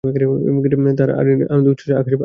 আর আনন্দে উচ্ছলে আকাশ ভরে জোছনায়!